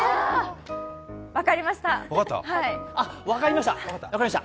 あ、分かりました。